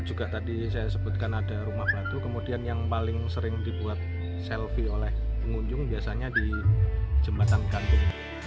juga tadi saya sebutkan ada rumah batu kemudian yang paling sering dibuat selfie oleh pengunjung biasanya di jembatan gantung